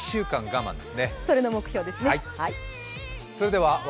それが目標ですね。